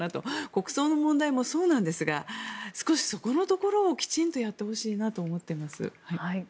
国葬の問題もそうですが少しそのところをきちんとやってほしいなと思っています。